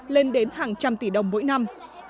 lên đến hàng trăm tỷ đồng mỗi năm